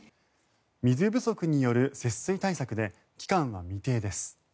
水不足による節水対策で期間は未定です。